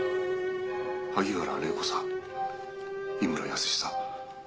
「萩原礼子さん井村泰さん